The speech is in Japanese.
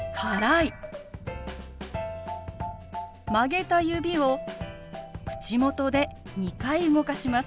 曲げた指を口元で２回動かします。